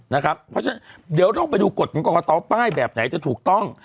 เพราะฉะนั้นเดี๋ยวต้องไปดูกฎของกรกตป้ายแบบไหนจะถูกต้อง